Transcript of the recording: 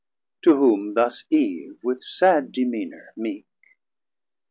To whom thus Eve with sad demeanour meek.